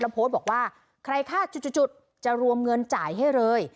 โพสต์บอกว่าใครฆ่าจุดจะรวมเงินจ่ายให้เลย